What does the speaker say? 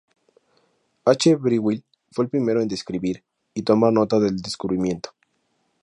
H. Breuil fue el primero en describir y tomar nota del descubrimiento.